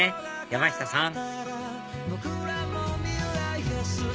山下さん